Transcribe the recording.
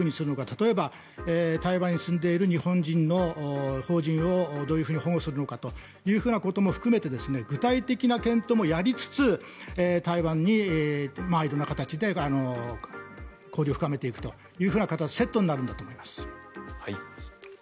例えば台湾に住んでいる日本人の邦人をどういうふうに保護するのかということも含めて具体的な検討もやりつつ台湾に色々な形で交流を深めていくということがセットになるんだと思います。